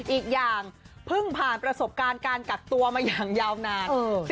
อีกอย่างเพิ่งผ่านประสบการณ์การกักตัวมาอย่างยาวนาน